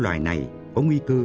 trước các nguy cơ